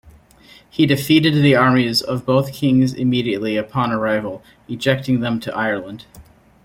He defeated the armies of both kings immediately upon arrival, ejecting them to Ireland.